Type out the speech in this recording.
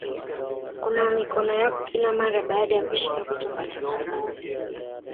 Kunawa mikono yako kila mara baada ya kushika vitu mbalimbali